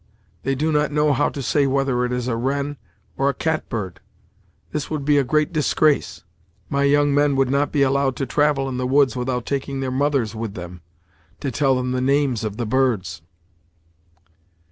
They do not know how to say whether it is a wren, or a cat bird. This would be a great disgrace; my young men would not be allowed to travel in the woods without taking their mothers with them, to tell them the names of the birds!"